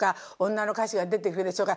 女の歌手が出てくるでしょうか？